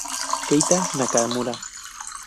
Keita Nakamura